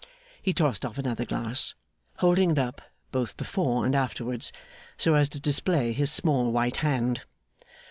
He tossed off another half glass: holding it up both before and afterwards, so as to display his small, white hand.